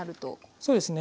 そうですね。